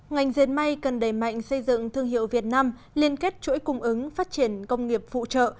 ngành diệt may cần đẩy mạnh xây dựng thương hiệu việt nam liên kết chuỗi cung ứng phát triển công nghiệp phụ trợ